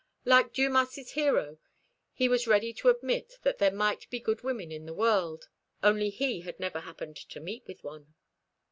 Like Dumas' hero, he was ready to admit that there might be good women in the world, only he had never happened to meet with one.